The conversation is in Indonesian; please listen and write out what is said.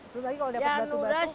belum lagi kalau dapet batu batu